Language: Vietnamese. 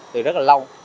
từ rất là lâu